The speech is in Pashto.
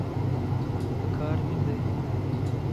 پکار مې دی.